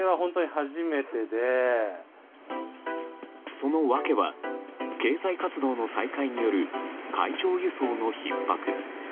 その訳は経済活動の再開による海上輸送のひっ迫。